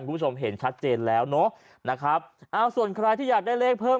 คุณผู้ชมเห็นชัดเจนแล้วเนอะนะครับเอาส่วนใครที่อยากได้เลขเพิ่ม